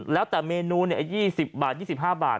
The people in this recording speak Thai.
แล้วแต่เมนู๒๐บาท๒๕บาท